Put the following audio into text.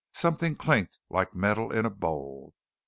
Something clinked like metal in a bowl.